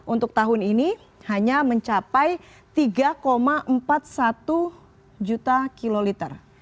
untuk tahun ini hanya mencapai tiga empat puluh satu juta kiloliter